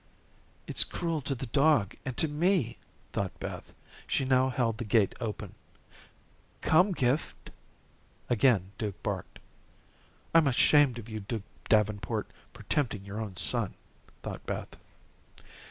"It's cruel to the dog and to me," thought Beth. She now held the gate open. "Come, Gift." Again Duke barked. "I'm ashamed of you, Duke Davenport, for tempting your own son," thought Beth.